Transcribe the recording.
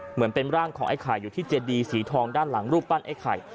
เหมือนเป็นร่างของไอ้ไข่อยู่ที่เจดีสีทองด้านหลังรูปปั้นไอ้ไข่